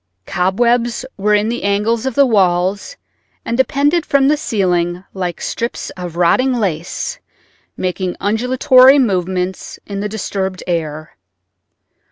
Cobwebs were in the angles of the walls and depended from the ceiling like strips of rotting lace making undulatory movements in the disturbed air.